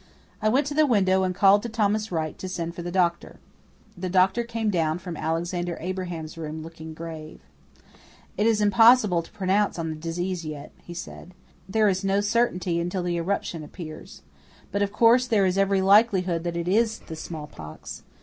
I went to the window and called to Thomas Wright to send for the doctor. The doctor came down from Alexander Abraham's room looking grave. "It's impossible to pronounce on the disease yet," he said. "There is no certainty until the eruption appears. But, of course, there is every likelihood that it is the smallpox.